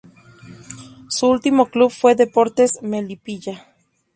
Su ultimo club fue Deportes Melipilla.